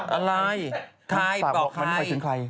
อะไรบอกใคร